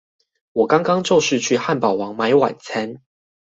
我剛剛就是去漢堡王買晚餐